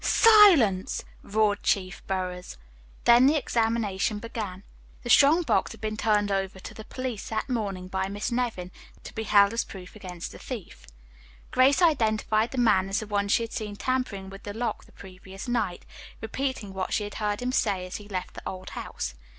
"Silence!" roared Chief Burroughs. Then the examination began. The strong box had been turned over to the police that morning by Miss Nevin, to be held as proof against the thief. Grace identified the man as the one she had seen tampering with the lock the previous night, repeating what she had heard him say as he left the old house.